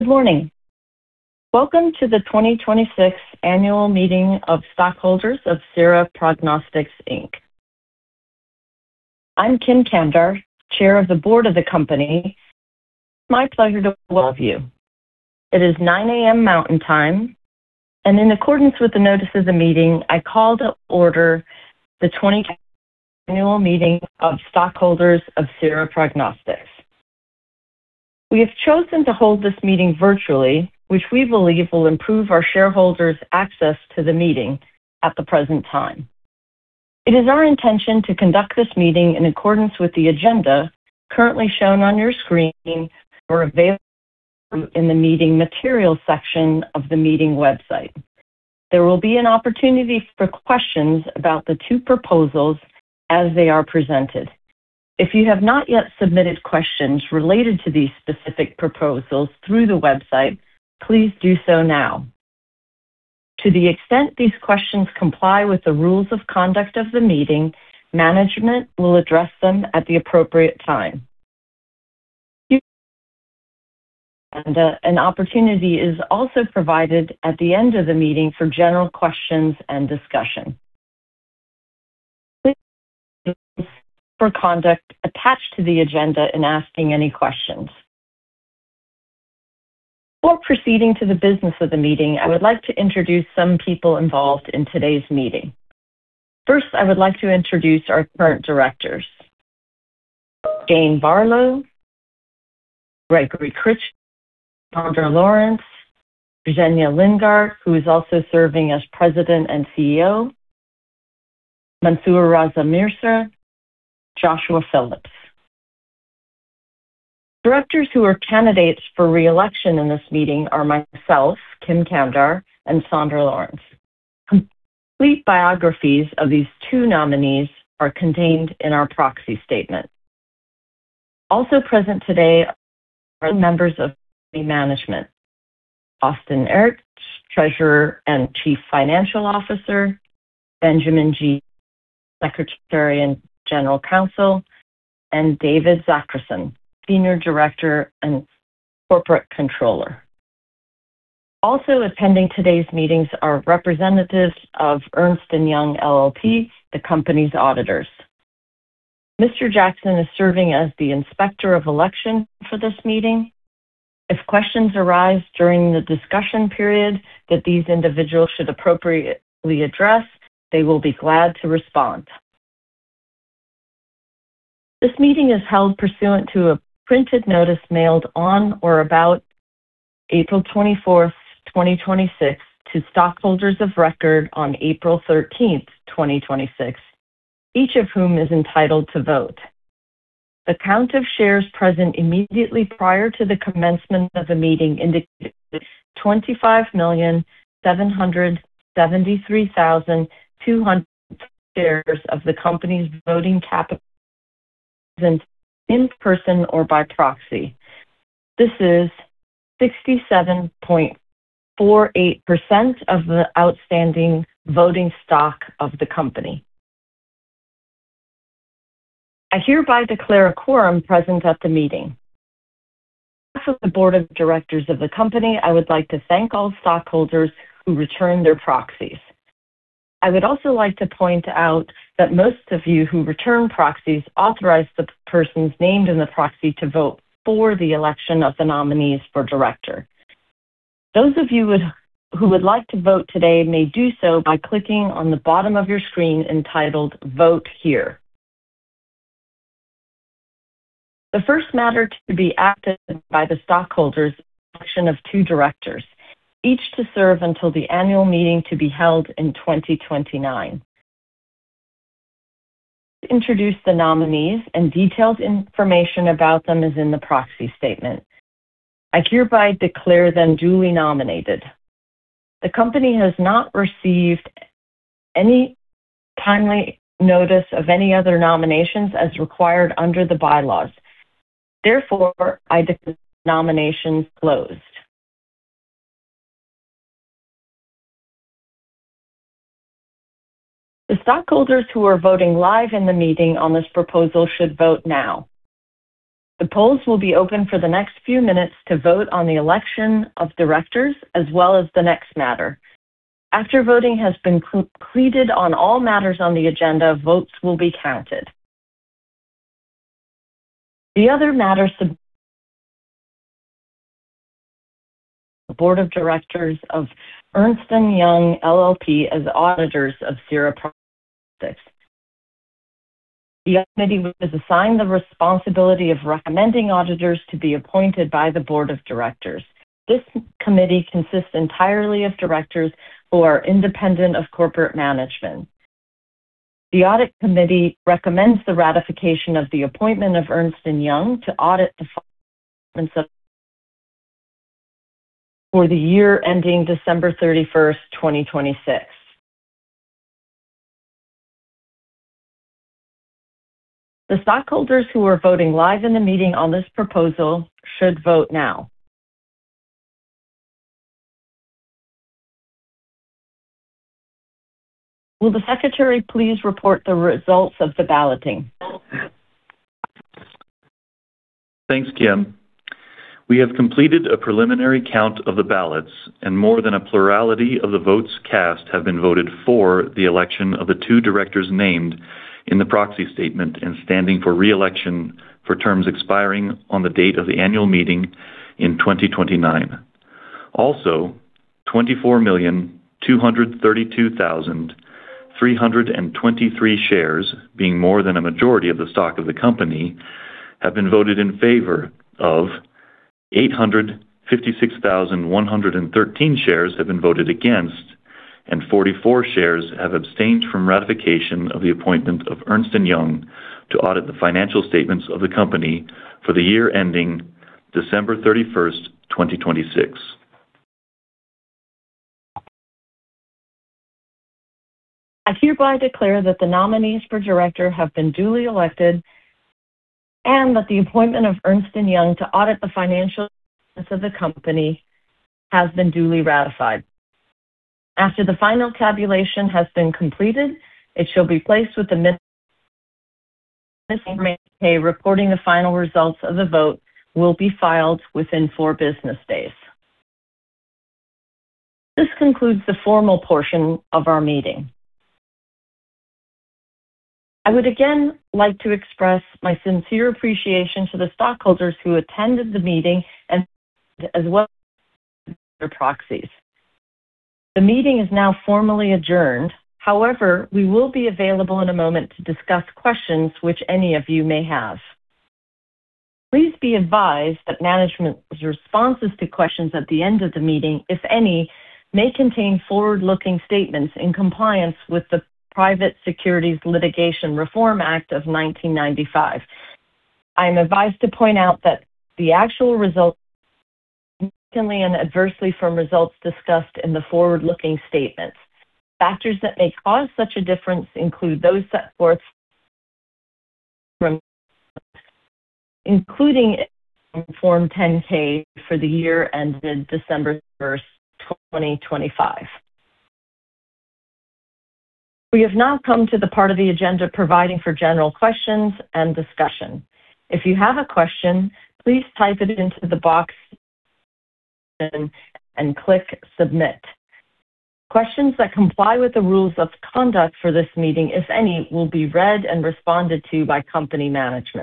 Good morning. Welcome to the 2026 annual meeting of stockholders of Sera Prognostics, Inc. I'm Kim Kamdar, Chair of the Board of the company. It's my pleasure to welcome all of you. It is 9:00 A.M. Mountain Time, and in accordance with the notice of the meeting, I call to order the 2026 annual meeting of stockholders of Sera Prognostics. We have chosen to hold this meeting virtually, which we believe will improve our shareholders' access to the meeting at the present time. It is our intention to conduct this meeting in accordance with the agenda currently shown on your screen or available in the Meeting Materials section of the meeting website. There will be an opportunity for questions about the two proposals as they are presented. If you have not yet submitted questions related to these specific proposals through the website, please do so now. To the extent these questions comply with the rules of conduct of the meeting, management will address them at the appropriate time. An opportunity is also provided at the end of the meeting for general questions and discussion. Please refer to the rules for conduct attached to the agenda in asking any questions. Before proceeding to the business of the meeting, I would like to introduce some people involved in today's meeting. First, I would like to introduce our current directors. Jane Barlow, Gregory Critchfield, Sandra Lawrence, Zhenya Lindgardt, who is also serving as President and CEO, Mansoor Raza Mirza, Joshua Phillips. Directors who are candidates for re-election in this meeting are myself, Kim Kamdar, and Sandra Lawrence. Complete biographies of these two nominees are contained in our proxy statement. Also present today are members of company management. Austin Aerts, Treasurer and Chief Financial Officer, Benjamin G., Secretary and General Counsel, and David Zachrison, Senior Director and Corporate Controller. Also attending today's meetings are representatives of Ernst & Young LLP, the company's auditors. Mr. Jackson is serving as the inspector of election for this meeting. If questions arise during the discussion period that these individuals should appropriately address, they will be glad to respond. This meeting is held pursuant to a printed notice mailed on or about April 24, 2026, to stockholders of record on April 13, 2026, each of whom is entitled to vote. The count of shares present immediately prior to the commencement of the meeting indicated 25,773,200 shares of the company's voting capital in person or by proxy. This is 67.48% of the outstanding voting stock of the company. I hereby declare a quorum present at the meeting. On behalf of the board of directors of the company, I would like to thank all stockholders who returned their proxies. I would also like to point out that most of you who returned proxies authorized the persons named in the proxy to vote for the election of the nominees for director. Those of you who would like to vote today may do so by clicking on the bottom of your screen entitled Vote Here. The first matter to be acted by the stockholders is the election of two directors, each to serve until the annual meeting to be held in 2029. I will introduce the nominees and detailed information about them is in the proxy statement. I hereby declare them duly nominated. The company has not received any timely notice of any other nominations as required under the bylaws. Therefore, I declare the nominations closed. The stockholders who are voting live in the meeting on this proposal should vote now. The polls will be open for the next few minutes to vote on the election of directors as well as the next matter. After voting has been completed on all matters on the agenda, votes will be counted. The other matter submitted to the board of directors of Ernst & Young LLP as auditors of Sera Prognostics. The audit committee was assigned the responsibility of recommending auditors to be appointed by the board of directors. This committee consists entirely of directors who are independent of corporate management. The audit committee recommends the ratification of the appointment of Ernst & Young to audit the financial statements of Sera Prognostics for the year ending December 31st, 2026. The stockholders who are voting live in the meeting on this proposal should vote now. Will the secretary please report the results of the balloting? Thanks, Kim. We have completed a preliminary count of the ballots, and more than a plurality of the votes cast have been voted for the election of the two directors named in the proxy statement and standing for re-election for terms expiring on the date of the annual meeting in 2029. 24,232,323 shares, being more than a majority of the stock of the company, have been voted in favor of. 856,113 shares have been voted against, and 44 shares have abstained from ratification of the appointment of Ernst & Young to audit the financial statements of the company for the year ending December 31st, 2026. I hereby declare that the nominees for director have been duly elected and that the appointment of Ernst & Young to audit the financial statements of the company has been duly ratified. After the final tabulation has been completed, it shall be placed with the reporting. The final results of the vote will be filed within four business days. This concludes the formal portion of our meeting. I would again like to express my sincere appreciation to the stockholders who attended the meeting and as well their proxies. The meeting is now formally adjourned. However, we will be available in a moment to discuss questions which any of you may have. Please be advised that management's responses to questions at the end of the meeting, if any, may contain forward-looking statements in compliance with the Private Securities Litigation Reform Act of 1995. I am advised to point out that the actual results can vary from results discussed in the forward-looking statements. Factors that may cause such a difference include those set forth therein, including Form 10-K for the year ended December 31st, 2025. We have now come to the part of the agenda providing for general questions and discussion. If you have a question, please type it into the box and click Submit. Questions that comply with the rules of conduct for this meeting, if any, will be read and responded to by company management.